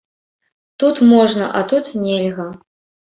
Тут можна, а тут нельга.